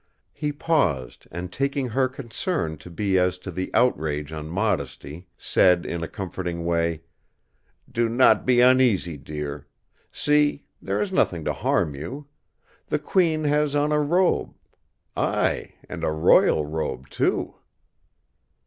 He paused, and taking her concern to be as to the outrage on modesty, said in a comforting way: "Do not be uneasy, dear! See! there is nothing to harm you. The Queen has on a robe.—Ay, and a royal robe, too!"